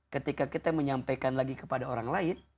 ketika kita menyampaikan lagi kepada orang lain